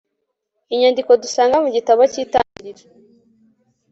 Inyandiko dusanga mu gitabo cyItangiriro